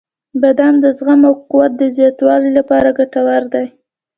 • بادام د زغم او قوت د زیاتولو لپاره ګټور دی.